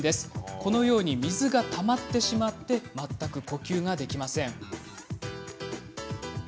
このように水がたまってしまい全く呼吸ができません。